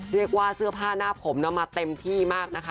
เรียกว่าเสื้อผ้าหน้าผมมาเต็มที่มากนะคะ